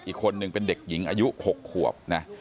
อีกคนนึงเป็นเด็กหญิงอายุ๖ขวบนะ